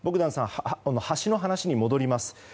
橋の話に戻ります。